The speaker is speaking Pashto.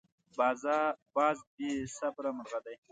باز بې صبره مرغه دی